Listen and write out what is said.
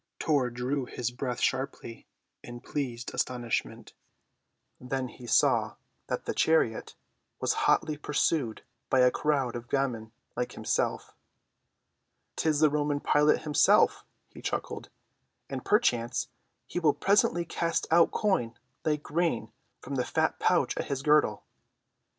Tor drew his breath sharply in pleased astonishment. Then he saw that the chariot was hotly pursued by a crowd of gamins like himself. "'Tis the Roman Pilate himself," he chuckled, "and perchance he will presently cast out coin like grain from the fat pouch at his girdle."